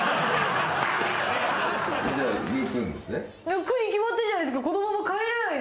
抜くに決まってるじゃないですか。